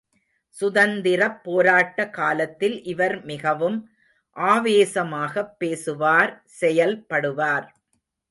சுதந்திரப் போராட்ட காலத்தில் இவர் மிகவும் ஆவேசமாகப் பேசுவார் செயல்படுவார்.